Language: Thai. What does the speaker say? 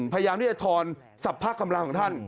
พยายามที่จะทอนสรรพกำลังของท่าน